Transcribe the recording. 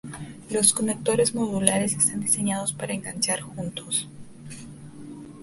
Los conectores modulares están diseñados para enganchar juntos.